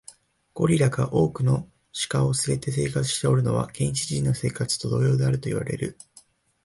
ゴリラが多くの牝を連れて生活しおるのは、原始人の生活と同様であるといわれる。